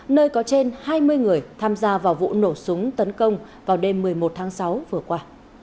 hơn hai mươi người tham gia vào vụ nổ súng tấn công vào đêm một mươi một tháng sáu vừa qua